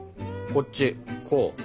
こっちこう。